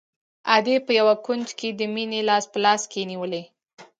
ادې په يوه کونج کښې د مينې لاس په لاس کښې نيولى.